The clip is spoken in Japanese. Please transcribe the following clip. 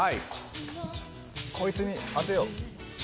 こいつに当てよう。